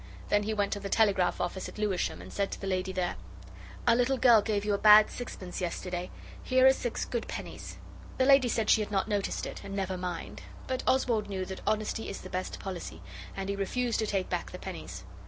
Then he went to the telegraph office at Lewisham, and said to the lady there: 'A little girl gave you a bad sixpence yesterday. Here are six good pennies.' The lady said she had not noticed it, and never mind, but Oswald knew that 'Honesty is the best Policy', and he refused to take back the pennies.